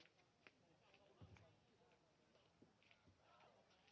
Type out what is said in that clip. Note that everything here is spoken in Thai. สวัสดีครับ